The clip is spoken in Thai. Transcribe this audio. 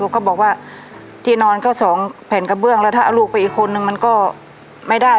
ก็บอกว่าที่นอนก็สองแผ่นกระเบื้องแล้วถ้าเอาลูกไปอีกคนนึงมันก็ไม่ได้